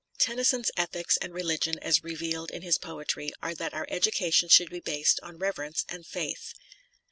Tennyson's ethics and religion as revealed in his poetry are that our education should be based on reverence and faith.